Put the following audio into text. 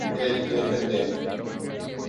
El Ft.